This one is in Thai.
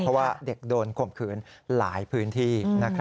เพราะว่าเด็กโดนข่มขืนหลายพื้นที่